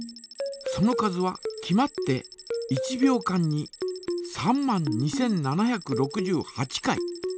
その数は決まって１秒間に３万２，７６８回。